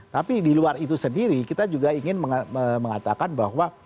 tapi di luar itu sendiri kita juga ingin mengatakan bahwa